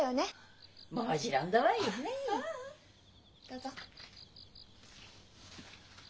どうぞ。